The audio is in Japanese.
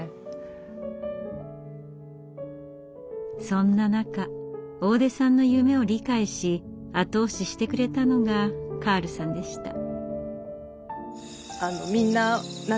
そんな中大出さんの夢を理解し後押ししてくれたのがカールさんでした。